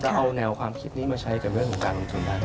เอาแนวความคิดนี้มาใช้กับเรื่องของการลงทุนได้